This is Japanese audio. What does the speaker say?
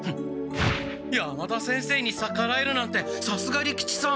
山田先生にさからえるなんてさすが利吉さん。